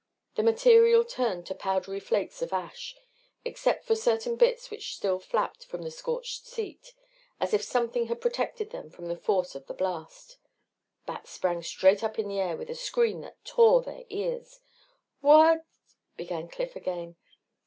The material turned to powdery flakes of ash except for certain bits which still flapped from the scorched seat as if something had protected them from the force of the blast. Bat sprang straight up in the air with a scream that tore their ears. "What...?" began Cliff again.